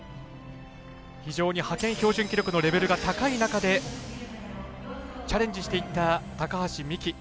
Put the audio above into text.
非常に派遣標準記録のレベルが高い中で、チャレンジしていった高橋美紀。